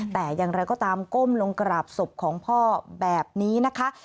แต่อย่างไรก็ตามก้มลงกราบศพของพ่อแบบนี้นะคะ